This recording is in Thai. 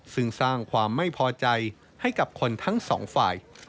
ซึ่งสร้างความไม่พอใจให้กับคนทั้งสองฝ่าย